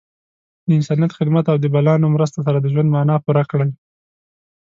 د انسانیت خدمت او د بلانو مرستې سره د ژوند معنا پوره کړئ.